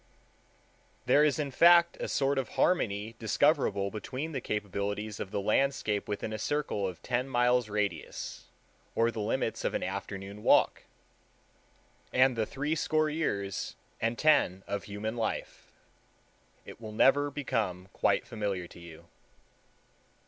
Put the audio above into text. There is in fact a sort of harmony discoverable between the capabilities of the landscape within a circle of ten miles' radius, or the limits of an afternoon walk, and the threescore years and ten of human life. It will never become quite familiar to you.